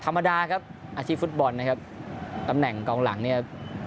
ธรรมดาครับอาชีพฟุตบอลนะครับตำแหน่งกองหลังเนี่ย